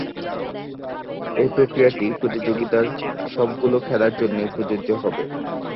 এ প্রক্রিয়াটি প্রতিযোগিতার সবগুলো খেলার জন্যেই প্রযোজ্য হবে।